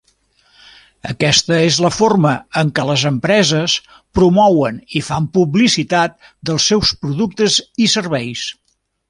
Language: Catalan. Aquesta és la forma en què les empreses promouen i fan publicitat dels seus productes i serveis.